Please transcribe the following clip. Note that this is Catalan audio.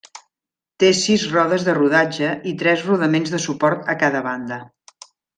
Té sis rodes de rodatge i tres rodaments de suport a cada banda.